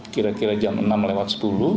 kira kira jam enam lewat sepuluh